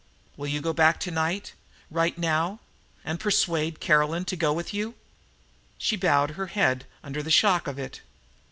Will you go back tonight, right now, and persuade Caroline to go with you?" She bowed her head under the shock of it.